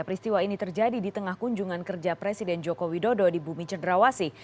peristiwa ini terjadi di tengah kunjungan kerja presiden joko widodo di bumi cederawasi